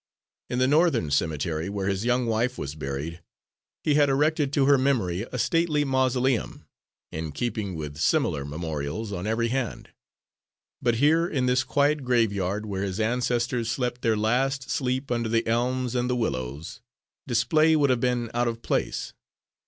In the Northern cemetery where his young wife was buried, he had erected to her memory a stately mausoleum, in keeping with similar memorials on every hand. But here, in this quiet graveyard, where his ancestors slept their last sleep under the elms and the willows, display would have been out of place.